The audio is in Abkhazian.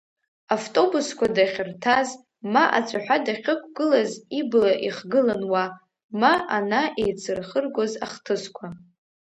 Автобусқәа дахьырҭаз, ма ацәаҳәа дахьықәгылаз ибла ихгылан уа, ма ана еицырхыргоз ахҭысқәа.